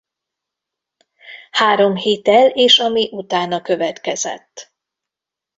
Három Hitel és ami utána következett.